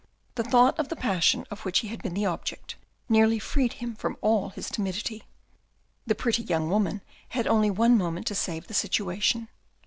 The thought of the passion of which he had been the object, nearly freed him from all his timidity. The pretty young woman had only one moment to save the situation.